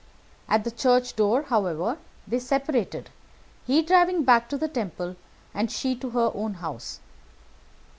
At the church door, however, they separated, he driving back to the Temple, and she to her own house.